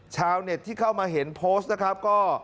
ชาวเน็ตที่เข้ามาเห็นโพสต์นะครับก็